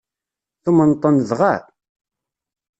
Tumneḍ-ten dɣa?